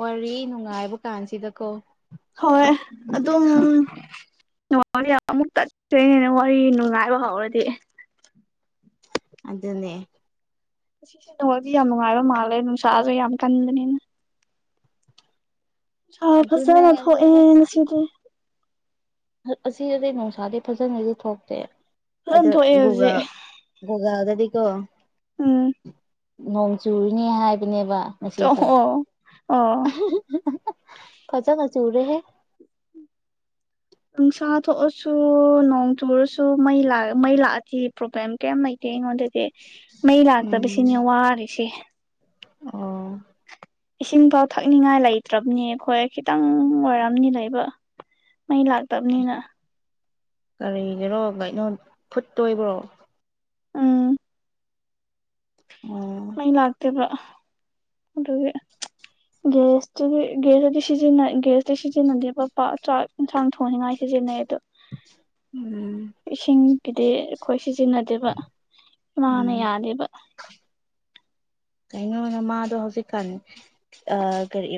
ꯋꯥꯔꯤ ꯅꯨꯡꯉꯥꯏꯕ ꯀꯥꯟꯁꯤꯗꯀꯣ ꯍꯣꯏ ꯑꯗꯨꯝ ꯑꯃꯨꯛ ꯇꯠꯇꯣꯏꯅꯦ ꯋꯥꯔꯤ ꯅꯨꯡꯉꯥꯏꯕ ꯍꯧꯔꯗꯤ ꯑꯗꯨꯅꯦ ꯅꯦꯋꯥꯛꯇꯤ ꯌꯥꯝ ꯅꯨꯡꯉꯥꯏꯕ ꯃꯥꯜꯂꯦ ꯅꯨꯡꯁꯥꯁꯨ ꯌꯥꯝ ꯀꯟꯕꯅꯤꯅ ꯅꯨꯡꯁꯥ ꯑꯗꯨꯅꯦ ꯐꯖꯅ ꯊꯣꯛꯑꯦ ꯑꯗꯨꯅꯦ ꯉꯁꯤꯗꯤ ꯑꯁꯤꯗꯗꯤ ꯅꯨꯡꯁꯥꯗꯤ ꯐꯖꯅꯅꯖꯨ ꯊꯣꯛꯇꯦ ꯐꯖꯅ ꯑꯗ ꯊꯣꯛꯑꯦ ꯍꯧꯖꯤꯛ ꯒꯨꯒꯜ ꯒꯨꯒꯜꯗꯗꯤꯀꯣ ꯎꯝ ꯅꯣꯡ ꯆꯨꯔꯅꯤ ꯍꯥꯏꯕꯅꯦꯕ ꯉꯁꯤꯁꯦ ꯑꯣ ꯑꯣ ꯐꯖꯅ ꯆꯨꯔꯦ ꯍꯦ ꯅꯨꯡꯁꯥ ꯊꯣꯛꯑꯁꯨ ꯅꯣꯡ ꯆꯨꯔꯁꯨ ꯃꯩ ꯃꯩ ꯂꯥꯛꯑꯗꯤ ꯄ꯭ꯔꯣꯕ꯭ꯂꯦꯝ ꯀꯩꯝ ꯂꯩꯇꯦ ꯑꯩꯉꯣꯟꯗ ꯑꯗꯨꯗꯤ ꯃꯩ ꯎꯝ ꯂꯥꯛꯇꯕꯁꯤꯅꯦ ꯋꯥꯔꯤꯁꯦ ꯑꯣ ꯏꯁꯤꯡꯐꯥꯎ ꯊꯛꯅꯤꯡꯉꯥꯏ ꯂꯩꯇ꯭ꯔꯕꯅꯤ ꯑꯩꯈꯣꯏ ꯈꯤꯇꯪ ꯋꯥꯔꯝꯅꯤ ꯂꯩꯕ ꯃꯩ ꯂꯥꯛ ꯇꯝꯅꯤꯅ [unintelligible] ꯀꯩꯅꯣ ꯐꯨꯠꯇꯣꯏꯕ꯭ꯔꯣ ꯎꯝ ꯑꯣ ꯃꯩ ꯂꯥꯛꯇꯦꯕ ꯑꯗꯨꯒꯤ ꯒꯦꯁꯇꯗꯤ ꯒꯦꯁꯇꯗꯤ ꯁꯤꯖꯤꯟꯅꯩ ꯒꯦꯁꯇꯤ ꯁꯤꯖꯤꯟꯅꯗꯦꯕ ꯄ ꯆꯥꯛ ꯌꯦꯟꯁꯥꯡ ꯊꯣꯡꯅꯤꯡꯉꯥꯏ ꯁꯤꯖꯤꯟꯅꯩ ꯑꯗꯣ [unintelligible] ꯏꯁꯤꯡꯒꯤꯗꯤ ꯑꯩꯈꯣꯏ ꯁꯤꯖꯤꯟꯅꯗꯦꯕ ꯏꯃꯥꯅ ꯎꯝ ꯌꯥꯗꯦꯕ [unintelligible] ꯀꯩꯅꯣ ꯅꯃꯥꯗꯣ ꯍꯧꯖꯤꯛꯀꯥꯟ ꯀꯔꯤ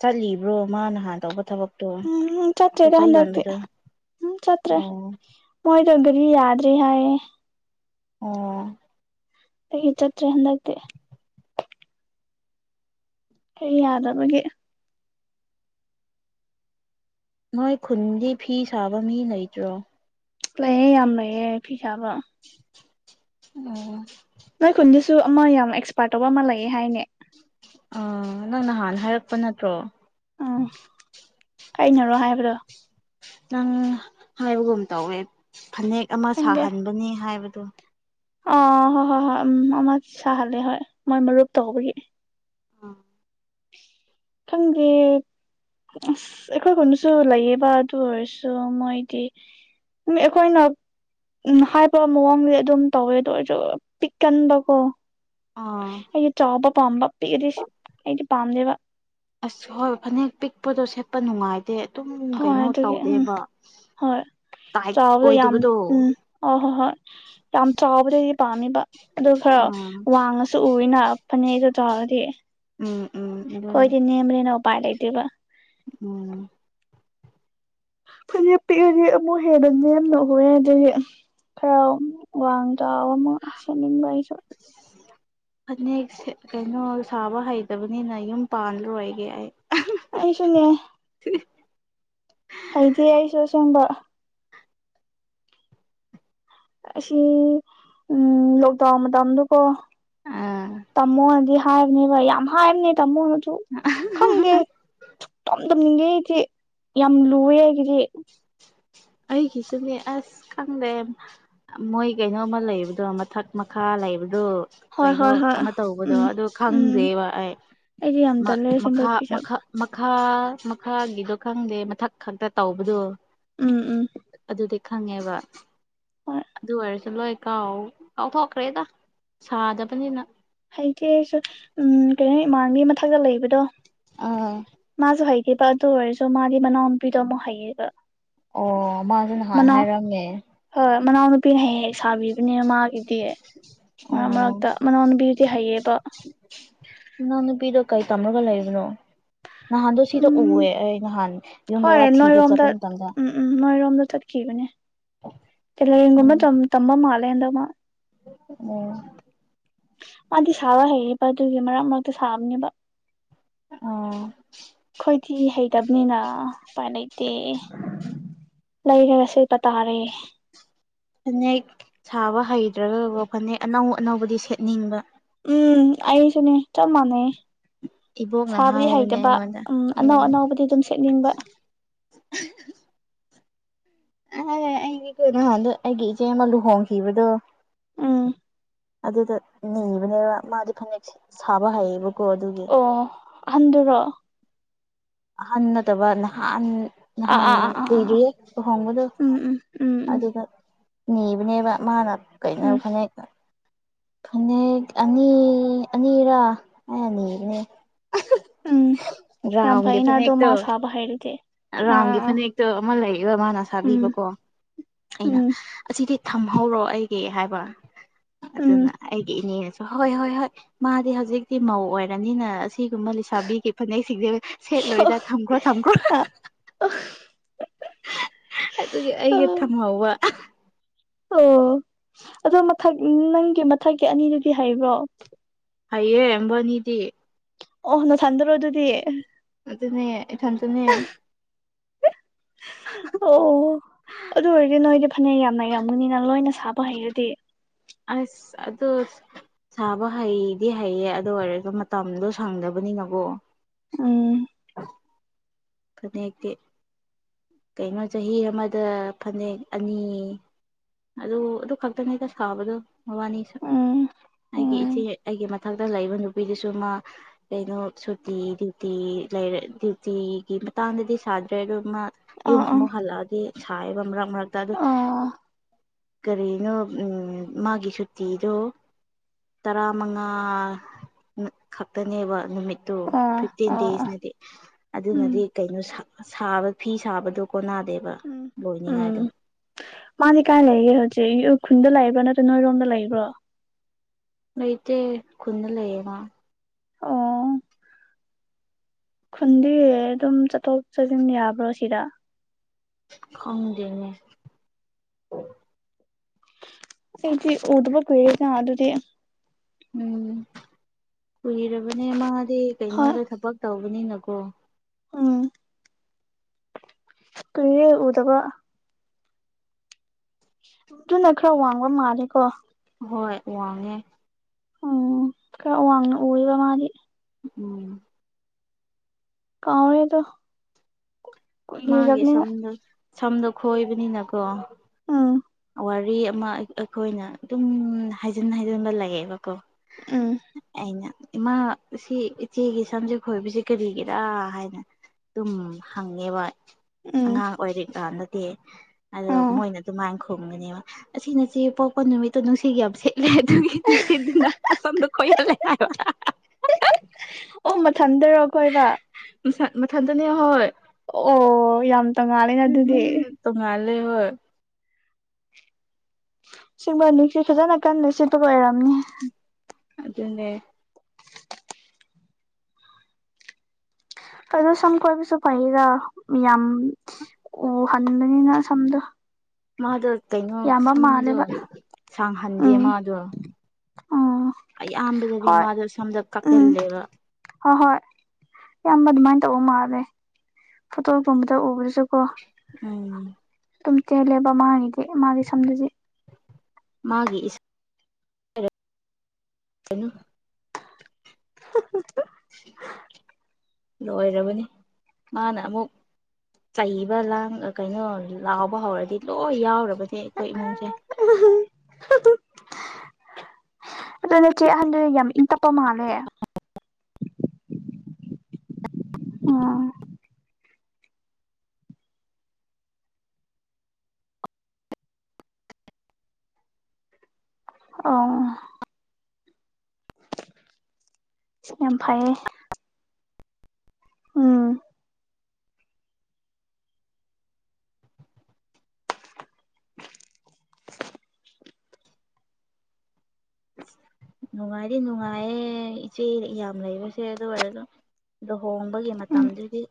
ꯆꯠꯂꯤꯕ꯭ꯔꯣ ꯃꯥ ꯅꯍꯥꯟ ꯇꯧꯕ ꯊꯕꯛ ꯇꯣ ꯎꯝ ꯆꯠꯇ꯭ꯔꯦꯗ ꯄꯣꯠꯂꯩ ꯍꯟꯗꯛꯇꯤ ꯌꯣꯟꯕꯗꯣ ꯎꯝ ꯆꯠꯇ꯭ꯔꯦ ꯑꯣ ꯃꯣꯏꯗꯣ ꯒꯔꯤ ꯌꯥꯗ꯭ꯔꯤ ꯍꯥꯏꯌꯦ ꯑꯣ ꯑꯩꯒꯤ ꯆꯠꯇ꯭ꯔꯦ ꯍꯟꯗꯛꯇꯤ ꯑꯩ ꯌꯥꯗꯕꯒꯤ ꯅꯣꯏ ꯈꯨꯟꯗꯤ ꯐꯤ ꯁꯥꯕ ꯃꯤ ꯂꯩꯇ꯭ꯔꯣ ꯂꯩꯌꯦ ꯌꯥꯝ ꯂꯩꯌꯦꯦ ꯐꯤ ꯁꯥꯥꯕ ꯑꯣ ꯅꯣꯏ ꯈꯨꯟꯗꯁꯨ ꯑꯃ ꯌꯥꯝ ꯑꯦꯛꯁꯄꯥꯔꯠ ꯇꯧꯕ ꯑꯃ ꯂꯩꯌꯦ ꯍꯥꯏꯅꯦ ꯑ ꯅꯪ ꯅꯍꯥꯟ ꯍꯥꯏꯔꯛꯄ ꯅꯠꯇ꯭ꯔꯣ ꯎꯝ ꯀꯩꯅꯔꯣ ꯍꯥꯏꯕꯗꯣ ꯅꯪ ꯍꯥꯏꯕꯒꯨꯝ ꯇꯧꯋꯦ ꯐꯅꯦꯛ ꯑꯃ ꯈꯪꯗꯦ ꯁꯥꯍꯟꯕꯅꯤ ꯍꯥꯏꯕꯗ ꯑꯥ ꯍꯣꯏ ꯍꯣꯏ ꯍꯣꯏ ꯎꯝ ꯑꯃ ꯁꯥꯍꯜꯂꯦ ꯍꯣꯏ ꯃꯣꯏ ꯃꯔꯨꯞ ꯇꯧꯕꯒꯤ ꯑꯥ ꯈꯪꯗꯦ ꯑꯁ ꯑꯩꯈꯣꯏ ꯈꯨꯟꯗꯁꯨ ꯂꯩꯌꯦꯕ ꯑꯗꯨ ꯑꯣꯏꯔꯁꯨ ꯃꯣꯏꯗꯤ [unintelligible] ꯑꯩꯈꯣꯏꯅ ꯎꯝ ꯍꯥꯏꯕ ꯃꯑꯣꯡꯗꯤ ꯑꯗꯨꯝ ꯇꯧꯋꯦ ꯑꯗꯨꯗꯣ ꯑꯣꯏꯔꯁꯨ ꯄꯤꯛꯀꯟꯕꯀꯣ꯫ ꯑꯥ ꯑꯩꯗꯤ ꯆꯥꯎꯕ ꯄꯥꯝꯕ ꯄꯤꯛꯑꯗꯤ ꯑꯩꯗꯤ ꯄꯥꯝꯗꯦꯕ꯫ ꯑꯁ ꯍꯣꯏ ꯐꯅꯦꯛ ꯄꯤꯛꯄꯗꯣ ꯁꯦꯠꯄ ꯅꯨꯡꯉꯥꯏꯇꯦ꯫ ꯑꯗꯨꯝ ꯍꯣꯏ ꯀꯩꯅꯣ ꯑꯗꯨꯒꯤ ꯎꯝ ꯇꯧꯗꯦꯕ ꯍꯣꯏ ꯇꯥꯏꯠ ꯆꯥꯎꯕꯗꯣ ꯌꯥꯝ ꯑꯣꯏꯗꯕꯗꯣ꯫ ꯎꯝ ꯑꯣ ꯍꯣꯏ ꯍꯣꯏ ꯌꯥꯝ ꯆꯥꯎꯕꯗꯗꯤ ꯄꯥꯝꯃꯤꯕ ꯑꯗꯨ ꯈꯔ ꯑꯥ ꯋꯥꯡꯉ [unintelligible] ꯎꯏꯅ ꯐꯅꯦꯛꯗꯣ ꯇꯧꯔꯗꯤ ꯎꯝ ꯎꯝ ꯑꯗꯨꯅꯦ ꯑꯩꯈꯣꯏꯗꯤ ꯅꯦꯝꯕ꯭ꯔꯦꯅ ꯎꯄꯥꯏ ꯂꯩꯇꯦꯕ ꯎꯝ꯫ ꯐꯅꯦꯛ ꯄꯤꯛꯑꯗꯤ ꯑꯃꯨꯛ ꯍꯦꯟꯅ ꯅꯦꯝ ꯑꯗꯨꯗꯤ ꯈꯔ ꯋꯥꯡꯉ ꯆꯥꯎꯕ ꯑꯃꯥ ꯆꯧꯠꯅꯤꯡꯕ ꯑꯃꯥ ꯑꯩꯁꯨ꯫ ꯐꯅꯦꯛ ꯀꯩꯅꯣ ꯁꯥꯕ ꯍꯩꯇꯕꯅꯤꯅ ꯌꯨꯝ ꯄꯥꯟꯜꯂꯣꯏꯒꯦ ꯑꯩ꯫ ꯑꯩꯁꯨꯅꯤ꯫ ꯍꯩꯏꯇꯦ ꯑꯩꯏꯁꯨ ꯑꯁꯦꯡꯕ꯫ ꯑꯁꯤ ꯎꯝ ꯂꯣꯛꯗꯥꯎꯟ ꯃꯇꯝꯗꯨꯀꯣ ꯑꯥ ꯇꯝꯃꯣꯗꯤ ꯍꯥꯏꯕꯅꯦ ꯕ ꯌꯥꯝ ꯍꯥꯏꯕꯅꯦ ꯇꯥꯃꯣꯅꯁꯨ ꯈꯪꯗꯦ꯫ ꯁꯨꯛꯇꯥꯝ ꯇꯝꯅꯤꯡꯗꯦ ꯑꯩꯗꯤ ꯌꯥꯝ ꯂꯨꯑꯦ ꯑꯩꯒꯤꯗꯤ꯫ ꯑꯩꯒꯤꯁꯨꯅꯦ ꯑꯁ ꯈꯪꯗꯦ ꯃꯣꯏ ꯀꯩꯅꯣꯝꯃ ꯂꯩꯕꯗꯣ ꯃꯊꯛ ꯃꯈꯥ ꯂꯩꯕꯗꯣ꯫ ꯍꯣꯏ ꯀꯩꯅꯣ ꯍꯣꯏ ꯍꯣꯏ ꯑꯃ ꯇꯧꯕꯗꯣ ꯎꯝ ꯑꯗꯨ ꯎꯝ ꯈꯪꯗ꯭ꯔꯦꯕ ꯑꯩ ꯑꯩꯗꯤ ꯌꯥꯝ ꯇꯜꯂꯦ ꯑꯁꯦꯡꯕ ꯃꯈꯥ ꯐꯤꯖꯕ ꯃꯈꯥ ꯃꯈꯥ ꯃꯈꯥꯒꯤꯗꯣ ꯈꯪꯗꯦ ꯃꯊꯛ ꯈꯛꯇ ꯇꯧꯕꯗꯣ꯫ ꯎꯝ ꯎꯝ꯫ ꯑꯗꯨꯗꯤ ꯈꯪꯉꯦꯕ꯫ ꯍꯣꯏ ꯑꯗꯨ ꯑꯣꯏꯔꯁꯨ ꯂꯣꯏ ꯀꯥꯎ ꯀꯥꯎꯊꯣꯛꯈ꯭ꯔꯦꯗ ꯁꯥꯗꯕꯅꯤꯅ꯫ ꯍꯩꯇꯦ ꯑꯩꯁꯨ ꯎꯝ ꯀꯩꯅꯣ ꯏꯃꯥꯟꯅꯕꯤ ꯑꯃꯥ ꯃꯊꯛꯇ ꯂꯩꯕꯗꯣ ꯑꯥ ꯃꯥꯁꯨ ꯍꯩꯇꯦ꯫ ꯏꯕ ꯑꯗꯨ ꯑꯣꯏꯔꯁꯨ ꯃꯥꯒꯤ ꯃꯅꯥꯎꯨꯄꯤꯗ ꯑꯃꯨꯛ ꯍꯩꯌꯦꯕ꯫ ꯑꯣ ꯃꯥꯁꯨ ꯅꯍꯥꯟ ꯃꯅꯥꯎ ꯍꯥꯏꯔꯝꯃꯦ꯫ ꯍꯣꯏ ꯃꯅꯥꯎꯅꯨꯄꯤꯅ ꯍꯦꯛ ꯍꯦꯛ ꯁꯥꯕꯤꯕꯅꯦ ꯃꯥꯒꯤꯗꯤ꯫ ꯃꯔꯛ ꯑꯣ ꯃꯔꯛꯇ ꯃꯅꯥꯎꯅꯨꯄꯤꯗꯨꯗꯤ ꯍꯩꯑꯕ꯫ ꯃꯥꯅꯥꯎ ꯅꯨꯄꯤꯗꯣ ꯀꯩ ꯇꯝꯔꯒ ꯂꯩꯕꯅꯣ꯫ ꯅꯍꯥꯟꯗꯣ ꯁꯤꯗ ꯎꯝ ꯎꯑꯦ ꯑꯩ ꯅꯍꯥꯟ ꯌꯨꯝ ꯍꯣꯏ ꯕꯔꯥ ꯊꯤꯕ ꯅꯣꯏꯔꯣꯝꯗ ꯆꯠꯄ ꯃꯇꯝꯗ꯫ ꯎꯝ ꯎꯝ ꯃꯣꯏꯔꯣꯝꯗ ꯆꯠꯈꯤꯕꯅꯦ ꯇꯦꯂꯦꯟꯒꯨꯝꯕ ꯇꯝꯕ ꯃꯥꯜꯂꯦ ꯍꯥꯟꯗꯥꯛ ꯃꯥ ꯎꯝ ꯃꯥꯗꯤ ꯁꯥꯕ ꯍꯩꯕ ꯑꯗꯨꯒꯤ ꯃꯔꯛ ꯃꯔꯛꯇ ꯁꯥꯕꯅꯦꯕ꯫ ꯑꯣ꯫ ꯑꯩꯈꯣꯏꯗꯤ ꯍꯩꯇꯕꯅꯤꯅ ꯎꯄꯥꯏ ꯂꯩꯩꯇꯦ꯫ ꯂꯩꯔꯒ ꯁꯦꯠꯄ ꯇꯥꯔꯦ꯫ ꯐꯅꯦꯛ ꯁꯥꯕ ꯍꯩꯇ꯭ꯔꯒꯀꯣ ꯐꯅꯦꯛ ꯑꯅꯧ ꯑꯅꯧꯕꯗꯤ ꯁꯦꯠꯅꯤꯡꯕ꯫ ꯎꯝ ꯑꯩꯁꯨꯅꯤ ꯆꯥꯄ ꯃꯥꯅꯩꯌꯦ꯫ ꯏꯕꯣꯛꯅ ꯁꯥꯕꯗꯤ ꯍꯥꯏꯕꯅꯦ ꯍꯩꯇꯕ ꯑꯩꯉꯣꯟꯗ ꯎꯝ ꯑꯅꯧ ꯑꯅꯧꯕꯗꯤ ꯑꯗꯨꯝ ꯁꯦꯠꯅꯤꯡꯕ꯫ ꯑꯦ ꯑꯩꯒꯤ ꯀꯩꯅꯣꯗ ꯑꯩꯒꯤ ꯏꯆꯦ ꯑꯃ ꯂꯨꯍꯣꯡꯈꯤꯕꯗꯣ꯫ ꯎꯝ꯫ ꯑꯗꯨꯗ ꯅꯤꯕꯅꯦꯕ ꯃꯥꯗꯤ ꯐꯅꯦꯛ ꯁꯥꯕ ꯍꯩꯌꯦꯕꯀꯣ ꯑꯗꯨꯒꯤ꯫ ꯑꯣ ꯑꯍꯟꯗꯨꯔꯣ꯫ ꯑꯍꯟ ꯅꯠꯇꯕ ꯅꯍꯥꯟ ꯑꯥ ꯅꯍꯥꯟ ꯑꯥ ꯑꯥ ꯑꯥ ꯑꯥ ꯀꯨꯏꯗ꯭ꯔꯤꯌꯦ ꯂꯨꯍꯣꯡꯕꯗꯣ꯫ ꯎꯝ ꯎꯝ ꯎꯝ ꯎꯝ ꯑꯗꯨꯗ ꯅꯤꯕꯅꯦꯕ ꯃꯥꯅ ꯀꯩꯅꯣ ꯎꯝ ꯐꯅꯦꯛ꯫ ꯐꯅꯦꯛ ꯑꯅꯤ ꯑꯅꯤꯔꯥ ꯑꯩꯅ ꯅꯤꯕꯅꯦ ꯎꯝ ꯌꯥꯝ ꯐꯩꯅꯥ ꯑꯗꯨ ꯃꯥ ꯁꯥꯕ ꯍꯥꯏꯔꯗꯤ ꯔꯥꯝꯒꯤ ꯐꯅꯦꯛꯇꯣ ꯑꯃ ꯂꯩꯕ ꯃꯥꯅ ꯎꯝ ꯁꯥꯕꯤꯕꯀꯣ ꯑꯩꯅ ꯎꯝ ꯑꯁꯤꯗꯤ ꯊꯝꯍꯧꯔꯣ ꯑꯩꯒꯤ ꯍꯥꯏꯕ ꯎꯝ ꯑꯗꯨꯅ ꯑꯩꯒꯤ ꯏꯅꯦꯅꯁꯨ ꯍꯣꯏ ꯍꯣꯏ ꯍꯣꯏ ꯃꯥꯗꯤ ꯍꯧꯖꯤꯛꯇꯤ ꯃꯧ ꯑꯣꯏꯔꯅꯤꯅ ꯑꯁꯤꯒꯨꯝꯕ ꯂꯩꯁꯥꯕꯤꯒꯤ ꯐꯅꯦꯛꯁꯤꯡꯁꯦ ꯁꯦꯠꯂꯣꯏꯗ ꯊꯝꯈ꯭ꯔꯣ ꯊꯝꯈ꯭ꯔꯣ ꯑ [unintelligible] ꯑꯗꯨꯒꯤ ꯑꯩꯒ ꯊꯝꯍꯧꯕ ꯑꯣ ꯑꯗꯣ ꯃꯊꯛ ꯅꯪꯒꯤ ꯃꯊꯛꯀꯤ ꯑꯅꯤꯗꯨꯗꯤ ꯍꯩꯕ꯭ꯔꯣ ꯍꯩꯌꯦ ꯃꯣꯢꯕꯥꯟꯅꯤꯗꯤ ꯑꯣ ꯅꯊꯥꯟꯇꯔꯣ ꯑꯗꯨꯗꯤ ꯑꯗꯨꯗꯤ ꯑꯗꯨꯅꯦ ꯏꯊꯟꯇꯅꯦ ꯑꯣ ꯑꯗꯨ ꯑꯣꯏꯔꯗꯤ ꯅꯣꯏꯗꯤ ꯐꯅꯦꯛ ꯌꯥꯝ ꯂꯩꯔꯝꯒꯅꯤꯅ ꯂꯣꯏꯅ ꯁꯥꯕ ꯍꯩꯔꯗꯤ ꯑꯁ ꯑꯗꯨ ꯁꯥꯕ ꯍꯩꯗꯤ ꯍꯩꯌꯦ ꯑꯗꯨ ꯑꯣꯏꯔꯁꯨ ꯃꯇꯝꯗꯣ ꯁꯪꯗꯕꯅꯤꯅꯀꯣ ꯎꯝ ꯑ [inaudible] ꯐꯅꯦꯛꯇꯤ ꯀꯩꯅꯣ ꯆꯍꯤ ꯑꯃꯗ ꯐꯅꯦꯛ ꯑꯅꯤ ꯑꯗꯨ ꯑꯗꯨ ꯈꯛꯇꯅꯤꯗ ꯁꯥꯕꯗꯣ ꯃꯕꯥꯅꯤꯁꯨ ꯎꯝ ꯑꯩꯒꯤ ꯎꯝ ꯏꯆꯦ ꯑꯩꯒꯤ ꯃꯊꯛꯇ ꯂꯩꯕ ꯅꯨꯄꯤꯗꯨꯁꯨ ꯃꯥ ꯀꯩꯅꯣ ꯁꯨꯇꯤ ꯗ꯭ꯌꯨꯇꯤ ꯂꯩꯔ ꯗ꯭ꯌꯨꯇꯤ ꯒꯤ ꯃꯇꯥꯡꯗꯗꯤ ꯁꯥꯗ꯭ꯔꯦ ꯑꯗꯨ ꯃꯥ ꯌꯨꯝ ꯑꯥ ꯑꯥ ꯑꯃꯨꯛ ꯍꯜꯂꯛꯑꯗꯤ ꯁꯥꯏꯑꯦꯕ ꯃꯔꯛ ꯃꯔꯛꯇ ꯑꯗꯨ ꯑꯥ ꯀꯔꯤꯅꯣ ꯎꯝ ꯃꯥꯒꯤ ꯁꯨꯇꯤꯗꯣ ꯇꯔꯥꯃꯉꯥ ꯈꯛꯇꯅꯦꯕ ꯅꯨꯃꯤꯠ ꯇꫭ ꯑꯥ ꯐꯤꯐꯇꯤꯟ ꯑꯥ ꯑꯥ ꯗꯦꯖꯅꯗꯤ ꯑꯗꯨꯅ ꯎꯝ ꯍꯥꯏꯗꯤ ꯀꯩꯅꯣꯕ ꯐꯤ ꯁꯥꯕꯗꯣ ꯀꯣꯟꯅꯗꯦꯕ ꯎꯝ ꯎꯝ ꯂꯣꯏꯅꯤꯉꯥꯏꯗꯣ ꯃꯥꯗꯤ ꯀꯥꯏ ꯂꯩꯒꯦ ꯍꯧꯖꯤꯛ ꯎꯈꯨꯜꯗ ꯂꯩꯕ꯭ꯔꯥ ꯅꯠꯇ꯭ꯔ ꯅꯣꯏꯔꯣꯝꯗ ꯂꯩꯕ꯭ꯔꯣ ꯂꯩꯇꯩ ꯈꯨꯟꯗ ꯂꯩꯌꯦ ꯃꯥ ꯑꯣ ꯈꯨꯟꯗꯤ ꯑꯗꯨꯝ ꯆꯠꯊꯣꯛ ꯆꯠꯁꯤꯟ ꯌꯥꯕ꯭ꯔꯣ ꯁꯤꯗ ꯈꯪꯗꯦꯅꯦ ꯑꯩꯗꯤ ꯎꯨꯗꯕ ꯀꯨꯢꯔꯦꯅ ꯑꯗꯨꯗꯤ ꯎꯝ ꯀꯨꯏꯔꯕꯅꯦ ꯃꯥꯗꯤ ꯍꯣꯏ ꯀꯩꯅꯣꯗ ꯊꯕꯛ ꯇꯧꯕꯅꯤꯅꯀꯣ ꯎꯝ ꯀꯨꯢꯔꯦ ꯎꯨꯗꯕ ꯑꯗꯨꯅ ꯈꯔ ꯋꯥꯡꯕ ꯃꯥꯂꯦꯀꯣ ꯍꯣꯏ ꯋꯥꯡꯉꯦ ꯎꯝ ꯈꯔ ꯋꯥꯡꯅ ꯎꯨꯢꯋꯦꯕ ꯃꯥꯗꯤ ꯎꯝ ꯀꯥꯎꯔꯦ ꯑꯗꯣ ꯃꯥꯒꯤ ꯁꯝꯗꯣ ꯁꯝꯗꯣ ꯈꯣꯏꯕꯅꯤꯅꯀꯣ ꯑꯥꯝ ꯋꯥꯔꯤ ꯑꯃ ꯑꯩꯈꯣꯏꯅ ꯑꯗꯨꯝ ꯍꯥꯏꯖꯤꯟ ꯍꯥꯏꯖꯤꯟꯕ ꯂꯩꯌꯦꯕꯀꯣ ꯎꯝ ꯑꯩꯅ ꯏꯃꯥꯁꯤ ꯏꯆꯦꯒꯤ ꯁꯝꯖꯦ ꯈꯣꯏꯕꯁꯤ ꯀꯔꯤꯒꯤꯔꯥ ꯍꯥꯏꯅ ꯑꯗꯨꯝ ꯍꯪꯉꯦꯕ ꯎꯝ ꯑꯉꯥꯡ ꯑꯣꯏꯔꯤꯀꯥꯟꯗꯗꯤ ꯑꯗꯣ ꯎꯝ ꯃꯣꯏꯅ ꯑꯗꯨꯃꯥꯏꯅ ꯊꯨꯝꯒꯅꯦꯕ ꯑꯁꯤꯅꯆꯦ ꯄꯣꯛꯄ ꯅꯨꯃꯤꯠꯇꯣ ꯅꯨꯡꯁꯤꯠ ꯌꯥꯝ ꯁꯤꯠ ꯑꯗꯨꯒꯤ ꯅꯨꯡꯁꯤꯠꯇꯨꯅ ꯃꯁꯥꯝꯗꯣ ꯈꯣꯏꯍꯜꯂꯦ ꯍꯥꯏꯕ ꯑꯣ ꯃꯊꯟꯗꯔꯣ ꯈꯣꯏꯕ ꯃ ꯃꯊꯥꯟꯇꯅꯦ ꯍꯣꯢ ꯑꯣ ꯌꯥꯝ ꯇꯣꯡꯉꯥꯜꯂꯦꯅ ꯑꯗꯨꯗꯤ ꯇꯣꯉꯥꯜꯂꯦ ꯍꯣꯏ ꯑꯁꯦꯡꯕ ꯅꯦꯡꯁꯤꯠ ꯐꯖꯅ ꯀꯟꯅ ꯁꯤꯠꯕ ꯑꯣꯢꯕꯒꯤ ꯑꯣꯏꯔꯝꯅꯤ ꯑꯗꯨꯗꯅꯦ ꯑꯗꯣ ꯁꯝ ꯀꯣꯏꯕꯁꯨ ꯐꯩꯌꯦꯅ ꯌꯥꯝ ꯎꯍꯟꯕꯅꯤꯅ ꯁꯝꯗꯣ ꯃꯥꯗꯣ ꯀꯩꯅꯣ ꯌꯥꯝꯕ ꯁꯝꯗꯣ ꯃꯥꯜꯂꯦꯕ ꯁꯥꯡꯍꯟꯗꯦ ꯃꯥꯗꯣ ꯑꯥꯝ ꯑꯌꯥꯝꯕꯗꯗꯤ ꯃꯥꯗꯣ ꯁꯣꯝꯗ ꯀꯛꯀꯜꯂꯦꯕ ꯍꯣꯏ ꯍꯣꯏ ꯏꯌꯥꯝꯕ ꯑꯗꯨꯃꯥꯏꯅ ꯇꯧꯕ ꯃꯥꯜꯂꯦ ꯐꯣꯇꯣꯒꯨꯝꯕꯗ ꯎꯕꯗꯁꯨꯀꯣ ꯎꯝ ꯗꯨꯝ ꯇꯦꯜꯂꯦꯕ ꯃꯥꯗꯤ ꯃꯥꯒꯤ ꯁꯥꯝꯗꯨꯗꯤ ꯃꯥꯒꯤ ꯏ ꯀꯩꯅ [unintelligible] [unintelligible] ꯂꯣꯏꯔꯕꯅꯤ ꯃꯥꯅ ꯑꯃꯨꯛ ꯆꯩꯕ ꯂꯥꯡ ꯀꯩꯅꯣ ꯂꯥꯎꯕ ꯍꯧꯔꯗꯤ ꯂꯣꯏ ꯌꯥꯎꯔꯕꯅꯦ ꯑꯩꯈꯣꯏ ꯏꯃꯨꯡꯁꯦ ꯎ [unintelligible] ꯑꯗꯨꯅꯦ ꯅꯆꯦ ꯑꯍꯟꯗ ꯌꯥꯝ ꯏꯪ ꯇꯞꯄ ꯃꯥꯜꯂꯦ ꯑꯝ ꯑꯥ ꯌꯥꯝ ꯐꯩꯌꯦ ꯎꯝ ꯅꯨꯡꯉꯥꯏꯗꯤ ꯅꯨꯡꯉꯥꯏꯌꯦ ꯏꯆꯦ ꯌꯥꯝ ꯂꯩꯕꯁꯦ ꯑꯗꯨ ꯑꯣꯏꯔꯁꯨ ꯂꯨꯍꯣꯡꯕꯒꯤ ꯎꯝ ꯃꯇꯝꯗꯨꯗꯤ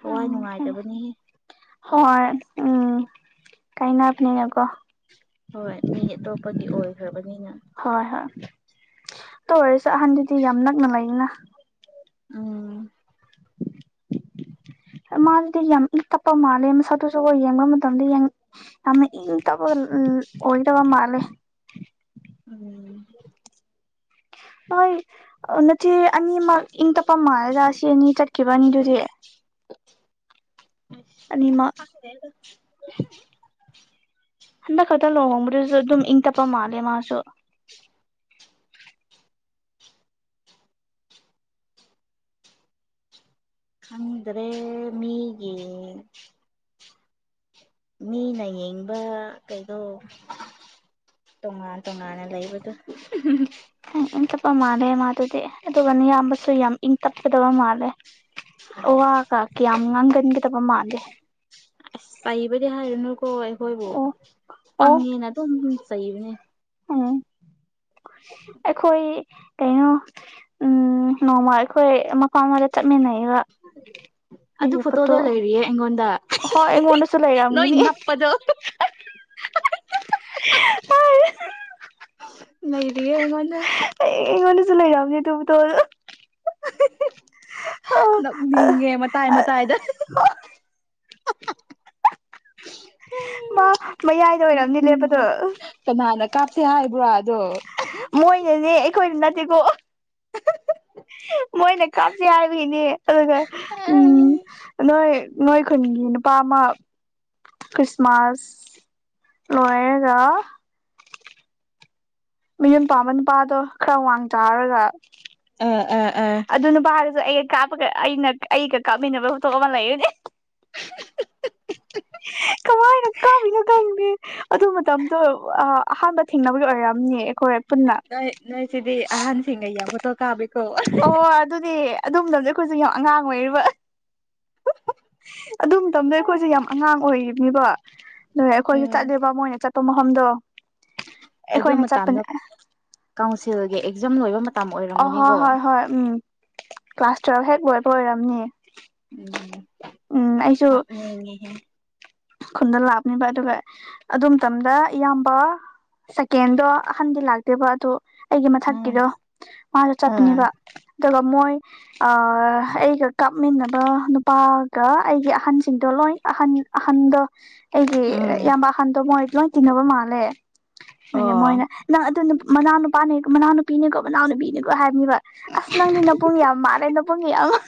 ꯊꯥꯋꯥꯏ ꯎꯝ ꯅꯨꯡꯉꯥꯏꯇꯕꯅꯤꯍꯦ ꯍꯣꯏ ꯎꯝ ꯀꯥꯏꯅꯕꯅꯤꯅꯀꯣ ꯍꯣꯏ ꯃꯤ ꯑꯇꯣꯞꯄꯒꯤ ꯑꯣꯏꯈ꯭ꯔꯕꯅꯤꯅ ꯍꯣꯏ ꯍꯣꯏ ꯇꯣ ꯑꯣꯏꯔꯁꯨ ꯑꯍꯟꯗꯤ ꯌꯥꯝ ꯅꯛꯅꯕ ꯂꯩꯥꯌꯦꯅ ꯎꯝ [unintelligible] ꯃꯥꯃꯥꯗꯨꯗꯤ ꯌꯥꯝ ꯏꯪ ꯇꯞꯄ ꯃꯥꯜꯂꯦ ꯃꯁꯛꯗꯨꯁꯨꯀꯣ ꯌꯦꯡꯕ ꯃꯇꯝꯗ ꯌꯥꯝ ꯏꯪ ꯇꯞꯄ ꯑꯣꯢꯒꯗꯕ ꯃꯥꯜꯂꯦ ꯎꯝ ꯍꯣꯏ ꯅꯆꯦ ꯑꯅꯤꯃꯛ ꯏꯪ ꯇꯞꯄ ꯃꯥꯂꯦꯗ ꯑꯁꯤ ꯑꯅꯤ ꯆꯠꯈꯤꯕ ꯑꯅꯤ ꯑꯗꯨꯗꯤ [unintelligible] ꯑꯅꯤꯃꯛ [unintelligible] ꯍꯟꯗꯛ ꯈꯥꯛꯇ ꯂꯨꯍꯣꯡꯕꯗꯨꯁꯨ ꯑꯗꯨꯝ ꯏꯪ ꯇꯞꯄ ꯃꯥꯜꯂꯦ ꯃꯥꯁꯨ ꯈꯪꯗ꯭ꯔꯦ ꯃꯤꯒꯤ ꯃꯤꯅ ꯌꯦꯡꯕ ꯀꯩꯅꯣ ꯇꯣꯉꯥꯟ ꯇꯣꯉꯥꯟꯅ ꯂꯩꯕꯗꯣ ꯏꯪ ꯇꯞꯄ ꯃꯥꯜꯂꯦ ꯃꯥꯗꯨꯗꯤ ꯑꯗꯨꯒ ꯅꯌꯥꯝꯕꯁꯨ ꯌꯥꯝ ꯏꯪ ꯇꯞꯀꯗꯕ ꯃꯥꯜꯂꯦ ꯑꯋꯥꯀ ꯀꯌꯥꯝ ꯉꯥꯡꯒꯟꯒꯗꯕ ꯃꯥꯟꯗꯦ ꯑꯁ ꯆꯩꯕꯗꯤ ꯍꯥꯏꯔꯨꯅꯨꯀꯣ ꯑꯩꯈꯣꯏꯕꯨ ꯑꯣ ꯑꯣ ꯄꯪꯉꯦꯅ ꯑꯗꯨꯝ ꯆꯩꯕꯅꯦ ꯎꯝ ꯑꯩꯈꯣꯏ ꯀꯩꯅꯣ ꯎꯝ ꯅꯣꯡꯃ ꯑꯩꯈꯣꯏ ꯃꯄꯥꯟ ꯑꯃꯗ ꯆꯠꯃꯤꯟꯅꯩꯑꯕ ꯑꯗꯨ ꯐꯣꯇꯣꯗꯣ ꯏꯌ꯭ꯔꯄꯣꯠꯇꯣ ꯂꯩꯔꯤꯌꯦ ꯑꯩꯉꯣꯟꯗ ꯑꯍꯣꯏ ꯑꯩꯉꯣꯟꯗꯁꯨ ꯂꯩꯔꯝꯒꯅꯤ ꯄꯗꯣ [unintelligible] ꯅꯩꯔꯤꯌꯦ ꯑꯩꯉꯣꯟꯗ ꯑꯩ ꯑꯩꯉꯣꯟꯗꯁꯨ ꯂꯩꯔꯝꯅꯤ ꯑꯗꯨ ꯐꯣꯇꯣꯗꯨ ꯅꯞꯅꯤꯡꯉꯦ ꯃꯠ ꯃꯇꯥꯏ ꯃꯇꯥꯏꯗ ꯃꯥ ꯃꯌꯥꯏꯗ ꯑꯣꯏꯔꯝꯅꯤ ꯂꯦꯞꯄꯗꯣ ꯎꯝ ꯀꯅꯥꯅ ꯀꯥꯞꯁꯦ ꯍꯥꯏꯕ꯭ꯔꯣ [inaudible] ꯃꯣꯏꯅꯅꯦ ꯑꯩꯈꯣꯏꯅ ꯅꯠꯇꯦꯀꯣ ꯃꯣꯏꯅ ꯀꯥꯞꯁꯦ ꯍꯥꯏꯕꯒꯤꯅꯦ ꯑꯗꯨꯒ ꯎꯝ ꯑꯥ ꯅꯣꯏ ꯅꯣꯏ ꯈꯨꯟꯒꯤ ꯅꯨꯄꯥ ꯑꯃ ꯈ꯭ꯔꯤꯁꯃꯥꯁ ꯂꯣꯏꯔꯒ ꯃꯌꯨꯝ ꯄꯥꯝꯕ ꯅꯨꯄꯥꯗꯣ ꯈꯔ ꯋꯥꯡ ꯆꯥꯎꯔꯒ ꯑꯥ ꯑꯥ ꯑꯗꯨ ꯅꯨꯄꯥ ꯑꯩꯒ ꯀꯥꯞꯄꯒ ꯑꯩꯅ ꯑꯩꯒ ꯀꯥꯞꯃꯤꯟꯅꯕ ꯄꯣꯇꯣ ꯑꯃ ꯂꯩꯕꯅꯤ ꯀꯃꯥꯏꯅ ꯀꯥꯞꯄꯤꯅꯣ ꯈꯪꯗꯦ ꯑꯗꯨ ꯃꯇꯝꯗꯣ ꯑꯥ ꯑꯍꯥꯟꯕ ꯊꯦꯡꯅꯕꯒ ꯑꯣꯏꯔꯝ ꯅꯦ ꯑꯩꯈꯣꯏ ꯄꯨꯟꯅ ꯅꯣꯏ ꯅꯣꯏꯁꯤꯗꯤ ꯑꯍꯟꯁꯤꯡꯅ ꯌꯥꯝ ꯐꯣꯇꯣ ꯀꯥꯞꯕꯤ ꯑꯣ ꯑꯗꯨꯗꯤ ꯑꯗꯨꯃꯇꯝꯗꯤ ꯑꯩꯈꯣꯏꯖꯨ ꯌꯥꯝ ꯑꯉꯥꯡ ꯑꯣꯏꯔꯤꯕ ꯑꯗꯨ ꯃꯇꯝꯗꯩ ꯑꯩꯈꯣꯏꯁꯦ ꯌꯥꯝ ꯑꯉꯥꯡ ꯑꯣꯏꯔꯤꯕꯅꯤꯕ ꯑꯗꯨꯒꯤ ꯑꯩꯈꯣꯏꯖꯨ ꯎꯝ ꯆꯠꯂꯦꯕ ꯃꯣꯏꯅ ꯆꯠ ꯄ ꯃꯐꯝꯗꯣ ꯑꯗꯨ ꯑꯩꯈꯣꯏꯅ ꯆꯠꯄꯅꯦ ꯃꯇꯝꯗꯣ ꯀꯥꯎꯟꯁꯤꯜꯒꯤ ꯑꯦꯛꯖꯥꯝ ꯂꯣꯏꯕ ꯃꯇꯝ ꯑ ꯍꯣ ꯑꯣꯏꯔꯝꯒꯅꯤꯀꯣ ꯍꯣꯏ ꯍꯣꯏ ꯎꯝ ꯀ꯭ꯂꯥꯁ ꯇꯨꯋꯦꯜꯕ ꯍꯦꯛ ꯂꯣꯏꯕ ꯑꯣꯏꯔꯝꯅꯤ ꯎꯝ ꯎꯝ ꯑꯩꯁꯨ ꯉꯛꯅꯤꯡꯉꯦꯍꯦ ꯈꯨꯟꯗ ꯂꯥꯛꯄꯅꯤꯕ ꯑꯗꯨꯒ ꯑꯗꯨ ꯃꯇꯝꯗ ꯏꯌꯥꯝꯕ ꯁꯦꯀꯦꯟꯗꯣ ꯑꯍꯟꯗꯤ ꯂꯥꯛꯇꯦꯕ ꯑꯗꯣ ꯑꯩꯒꯤ ꯑꯥ ꯃꯊꯛꯀꯤꯗꯣ ꯃꯥꯁꯨ ꯑꯥ ꯆꯠꯄꯅꯦꯕ ꯑꯗꯨꯒ ꯃꯣꯏ ꯑꯥ ꯑꯩꯒ ꯀꯥꯞꯃꯤꯟꯅꯕ ꯅꯨꯄꯥꯒ ꯑꯩꯒꯤ ꯑꯍꯟꯁꯤꯡꯗꯣ ꯂꯣꯏ ꯑꯍꯟ ꯑꯍꯟꯗꯣ ꯑꯩꯒꯤ ꯎꯝ ꯏꯌꯥꯝꯕ ꯑꯍꯟꯗꯣ ꯃꯣꯏ ꯂꯣꯏ ꯇꯤꯟꯅꯕ ꯃꯥꯜꯂꯦ ꯑꯗꯨꯒꯤ ꯑꯣ ꯃꯣꯏꯅ ꯅꯪ ꯑꯗꯨ ꯃꯅꯥꯎꯅꯨꯄꯥꯅꯦ ꯃꯅꯥꯎꯅꯨꯄꯤꯅꯤꯀꯣ ꯃꯅꯥꯎꯅꯨꯄꯤꯅꯤꯀꯣ ꯂꯣꯏ ꯍꯥꯏꯕꯅꯦꯕ ꯑꯁ ꯅꯪꯗꯤ ꯅꯕꯨꯡ ꯌꯥꯝ ꯃꯥꯜꯂꯦ ꯅꯕꯨꯡ ꯌꯦꯡꯑꯉ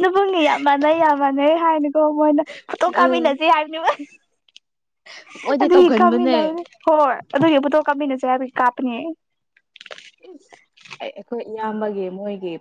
ꯅꯕꯨꯡꯒ ꯌꯥꯝ ꯃꯥꯟꯅꯩ ꯌꯥꯝ ꯃꯥꯟꯅꯩ ꯍꯥꯏꯅ ꯔꯣꯕꯣꯠꯅ ꯐꯣꯇꯣ ꯎꯝ ꯀꯃꯤꯟꯅꯖꯦ ꯍꯥꯏꯕꯅꯦꯕ ꯃꯣꯏꯗꯤ ꯑꯗꯨꯒꯤ ꯇꯧꯒꯟꯕꯅꯦ ꯀꯥꯃꯤꯟꯅꯕꯅꯦ ꯍꯣꯏ ꯑꯗꯨꯒꯤ ꯐꯣꯇꯣ ꯀꯥꯞꯃꯤꯟꯅꯁꯦ ꯍꯥꯏꯕꯒꯤ ꯀꯥꯞꯄꯅꯦ ꯏꯁ ꯑꯩ ꯑꯩꯈꯣꯏ ꯏꯌꯥꯝꯕꯒꯤ ꯃꯣꯏꯒꯤ